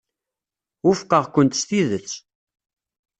Wufqeɣ-kent s tidet.